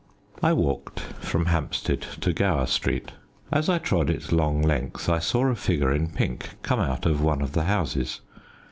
I walked from Hampstead to Gower Street. As I trod its long length, I saw a figure in pink come out of one of the houses.